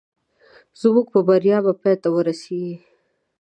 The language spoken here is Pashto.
زموږ په بریا به پای ته ورسېږي